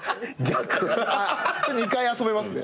１回遊べますね。